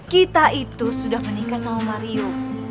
kita itu sudah menikah sama mario